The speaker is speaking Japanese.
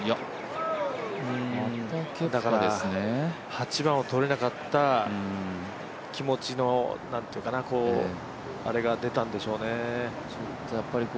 ８番を取れなかった気持ちのあれが出たんでしょうね。